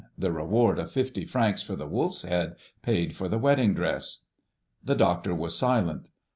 The reward of fifty francs for the wolf's head paid for the wedding dress." The doctor was silent.